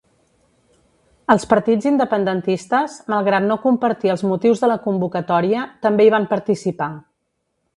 Els partits independentistes, malgrat no compartir els motius de la convocatòria, també hi van participar.